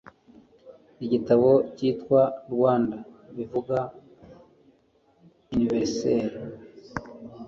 igitabo cyitwa Rwanda bivuga Universe